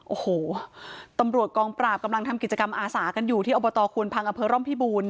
โอ้โหตำรวจกองปราบกำลังทำกิจกรรมอาสากันอยู่ที่อบตควนพังอำเภอร่อมพิบูรณ